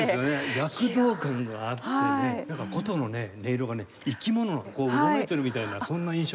躍動感があってねなんか箏の音色がね生き物がうごめいてるみたいなそんな印象を。